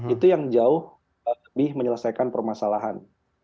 itu yang jauh lebih menyelesaikan permasalahan